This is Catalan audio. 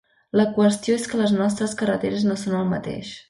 La qüestió és que les nostres carreteres no són el mateix.